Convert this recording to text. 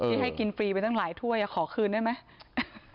ให้กินฟรีไปตั้งหลายถ้วยขอคืนได้ไหม